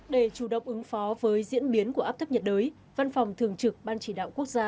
để chủ động ứng phó với diễn biến của áp thấp nhiệt đới văn phòng thường trực ban chỉ đạo quốc gia